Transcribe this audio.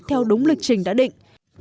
theo đúng lịch trình đã định